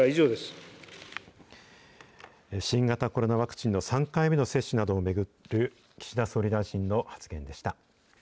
新型コロナワクチンの３回目の接種などを巡る、岸田総理大臣の発言でした。